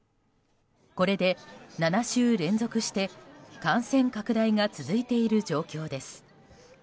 これで７週連続して感染拡大が続いている状況です。